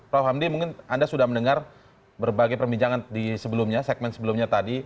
prof hamdi mungkin anda sudah mendengar berbagai perbincangan di sebelumnya segmen sebelumnya tadi